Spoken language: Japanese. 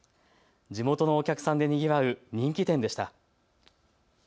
地元のお客さんでにぎわう人気店でした。